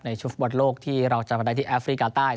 ในชุมบัตรโลกที่เราจำได้ที่แอฟริกาใต้